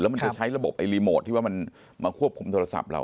มันจะใช้ระบบไอรีโมทที่ว่ามันมาควบคุมโทรศัพท์เรา